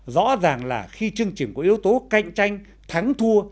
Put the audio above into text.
rõ ràng là khi chương trình có yếu tố cạnh tranh thắng thua